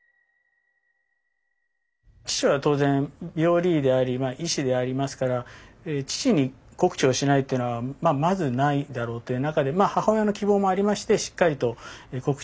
父は当然病理医であり医師でありますから父に告知をしないというのはまずないだろうという中でまあ母親の希望もありましてしっかりと告知をされたと。